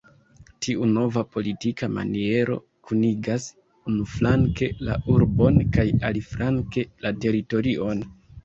Tiu nova politika maniero, kunigas unuflanke la urbon kaj aliflanke la teritorion.